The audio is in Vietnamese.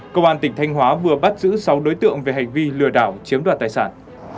công an tỉnh thanh hóa vừa bắt giữ sáu đối tượng về hành vi lừa đảo chiếm đoạt tài sản